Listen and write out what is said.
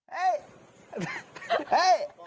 เฮ้ย